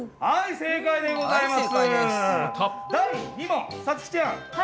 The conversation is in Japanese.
正解でございます。